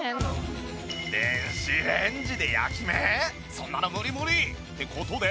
そんなの無理無理！って事で。